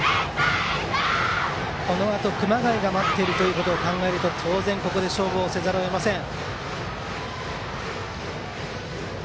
このあと、熊谷が待っていることを考えると当然ここで勝負をせざるを得ません。